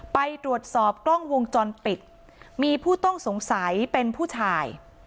ไปตรวจสอบกล้องวงจรปิดมีผู้ต้องสงสัยเป็นผู้ชาย